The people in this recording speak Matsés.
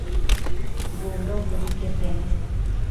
Bundoquiobi que penu